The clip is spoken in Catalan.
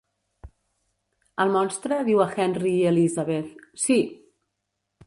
El Monstre diu a Henry i Elizabeth: Sí!